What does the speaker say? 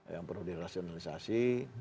yang perlu dirasionalisasi